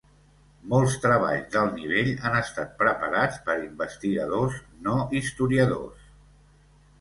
Molts treballs d'alt nivell han estat preparats per investigadors no historiadors.